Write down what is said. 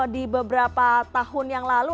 di beberapa tahun yang lalu